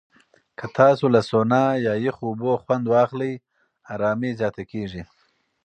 که تاسو له سونا یا یخو اوبو خوند واخلئ، آرامۍ زیاته کېږي.